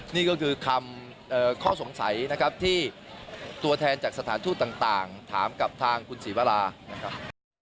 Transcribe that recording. นี่ก็คือคำข้อสงสัยนะครับที่ตัวแทนจากสถานทูตต่างถามกับทางคุณศรีวรานะครับ